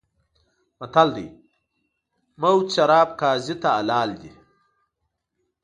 متل دی: مفت شراب قاضي ته حلال دي.